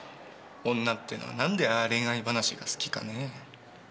女ってのは何でああ恋愛話が好きかねぇ？